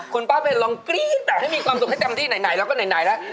คุณป้าแน่นลองกรี๊ดมีความสุขให้เต็มที่ไหนและก็ไหนและ